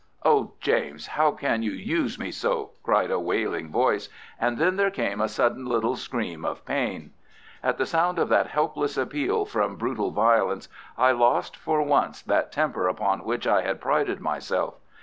"Oh, James, how can you use me so?" cried a wailing voice, and then there came a sudden little scream of pain. At the sound of that helpless appeal from brutal violence I lost for once that temper upon which I had prided myself.